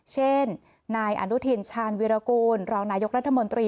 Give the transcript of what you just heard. เช่นนายอนุทินชาญวิรากูลรองนายกรัฐมนตรี